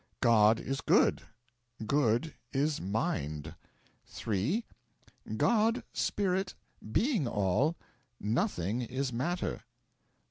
God is good. Good is Mind. 3. God, Spirit, being all, nothing is matter.